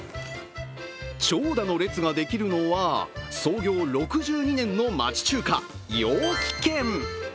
長蛇の列ができるのは、創業６２年の町中華、陽気軒。